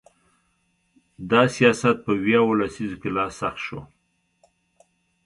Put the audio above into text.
دا سیاست په ویاو لسیزه کې لا سخت شو.